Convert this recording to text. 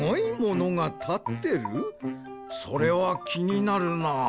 それはきになるな。